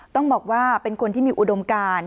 ต้องบอกว่าเป็นคนที่มีอุดมการ